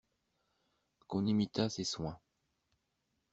Qu'on imitât ces soins.